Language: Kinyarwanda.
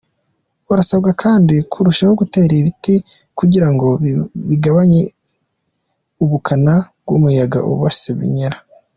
Basabwa kandi kurushaho gutera ibiti kugira ngo bigabanye ubukana bw’umuyaga ubasenyera.